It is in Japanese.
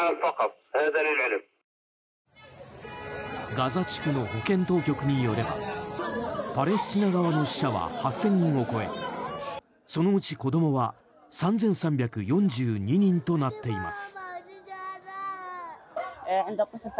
ガザ地区の保健当局によればパレスチナ側の死者は８０００人を超えそのうち子どもは３３４２人となっています。